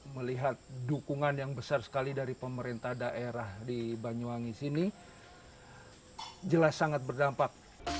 melihat dukungan yang besar sekali dari pemerintah daerah di banyuwangi sini jelas sangat berdampak